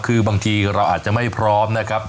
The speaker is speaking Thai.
คือบางทีเราอาจจะไม่พร้อมนะครับ